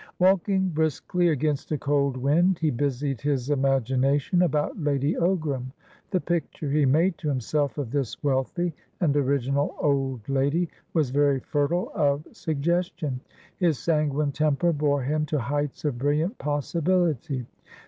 Walking briskly against a cold wind, he busied his imagination about Lady Ogram. The picture he made to himself of this wealthy and original old lady was very fertile of suggestion; his sanguine temper bore him to heights of brilliant possibility.